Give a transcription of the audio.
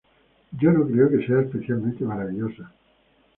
Yo no creo que sea especialmente maravillosa.